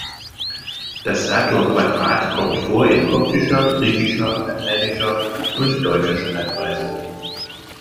Das Sator-Quadrat kommt vor in koptischer, griechischer, lateinischer und deutscher Schreibweise.